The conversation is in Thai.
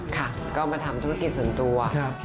ค่ะก็มาทำธุรกิจส่วนตัว